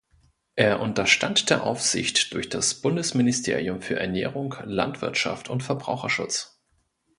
Er unterstand der Aufsicht durch das Bundesministerium für Ernährung, Landwirtschaft und Verbraucherschutz.